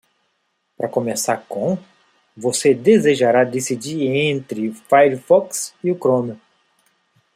Para começar com?, você desejará decidir entre o Firefox e o Chrome.